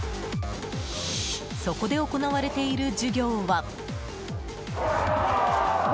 そこで行われている授業は。